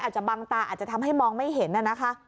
อาจจะบังตาอาจจะทำให้มองไม่เห็น